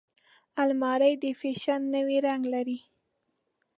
الماري د فیشن نوی رنګ لري